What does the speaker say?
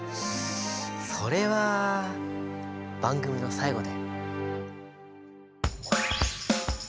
それは番組の最後で。